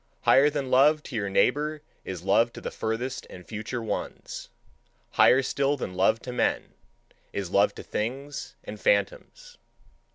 Higher than love to your neighbour is love to the furthest and future ones; higher still than love to men, is love to things and phantoms.